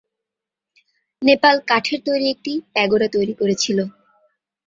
নেপাল কাঠের তৈরি একটি প্যাগোডা তৈরি করেছিল।